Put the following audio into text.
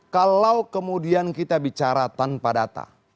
kalau kemudian kita bicara tanpa data